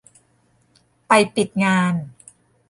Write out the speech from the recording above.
ไปปิดงาน